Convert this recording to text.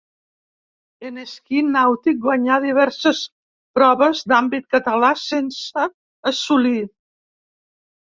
En esquí nàutic guanyà diverses proves d'àmbit català sense assolir.